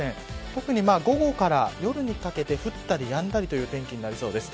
特に午後から夜にかけて降ったりやんだりという天気になりそうです。